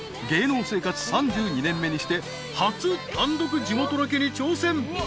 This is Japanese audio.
［芸能生活３２年目にして初単独地元ロケに挑戦］